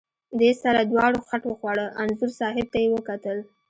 دې سره دواړو خټ وخوړه، انځور صاحب ته یې وکتل.